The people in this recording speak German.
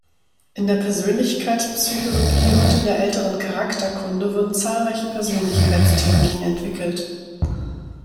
In der Persönlichkeitspsychologie und in der älteren Charakterkunde wurden zahlreiche Persönlichkeitstheorien entwickelt.